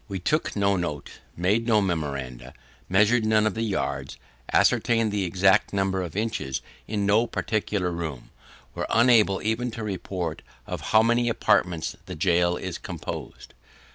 We took no notes, made no memoranda, measured none of the yards, ascertained the exact number of inches in no particular room: are unable even to report of how many apartments the gaol is composed.